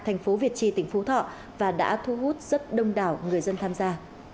thành phố việt trì tỉnh phú thọ và đã thu hút rất đông đảo người dân tham gia